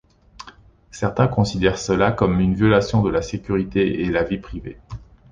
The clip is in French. Certains considèrent cela comme une violation de la sécurité et la vie privée.